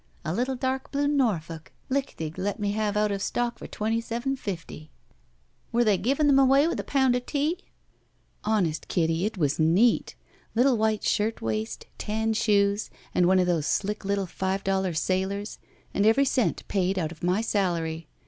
A little dark blue Norfolk, Lichtig let me have out of stock for twenty seven fifty." ' "Were they giving them away with a pound of tea?" 77 BACK PAY "Honest, Kitty, it was neat. Little white shirt waist, tan shoes, and one of those slick little five dollar sailors, and every cent paid out of my salary.